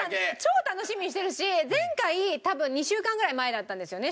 超楽しみにしてるし前回多分２週間ぐらい前だったんですよね